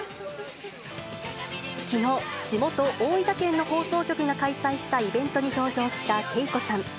きのう、地元、大分県の放送局が開催したイベントに登場したＫＥＩＫＯさん。